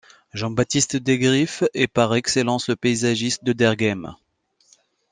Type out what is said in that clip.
Jean-Baptiste Degreef est par excellence le paysagiste d'Auderghem.